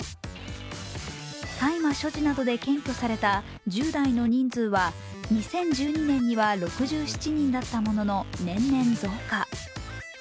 大麻所持などで検挙された１０代の人数は２０１２年には６７人だったものの年々増加。